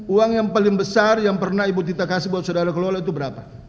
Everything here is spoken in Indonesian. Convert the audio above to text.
uang yang paling besar yang pernah ibu tita kasih buat saudara kelola itu berapa